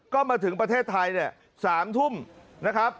ก็มาถึงประเทศไทยเนี่ย๓ทุ่มนะครับ